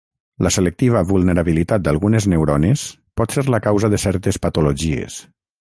La selectiva vulnerabilitat d'algunes neurones pot ser la causa de certes patologies.